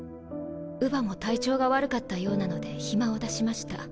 乳母も体調が悪かったようなので暇を出しました。